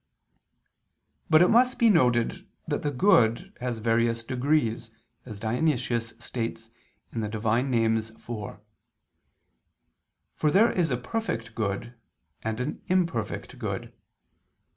But it must be noted that the good has various degrees, as Dionysius states (Div. Nom. iv): for there is a perfect good, and an imperfect good.